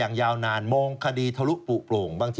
อย่างยาวนานมองคดีทะลุกปลุกโปร่ง